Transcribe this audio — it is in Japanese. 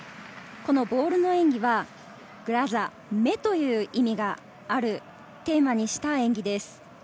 ボールの演技は目という意味があるテーマにした演技です。